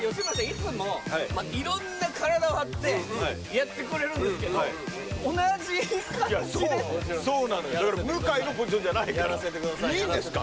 いつも色んな体を張ってやってくれるんですけど同じ感じでいやそうそうなのよ向井のポジションじゃないからいいんですか？